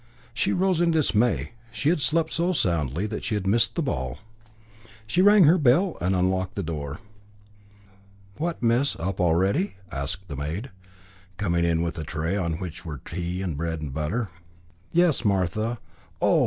She rose in dismay. She had slept so soundly that she had missed the ball. She rang her bell and unlocked the door. "What, miss, up already?" asked the maid, coming in with a tray on which were tea and bread and butter. "Yes, Martha. Oh!